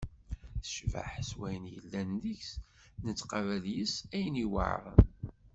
Tecbeḥ s wayen yellan deg-s, nettqabel yes-s ayen yuɛren.